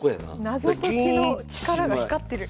謎解きの力が光ってる。